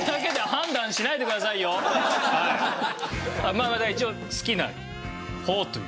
まあまあだから一応好きな方という。